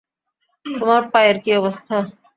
তোমার পায়ের কী অবস্থা?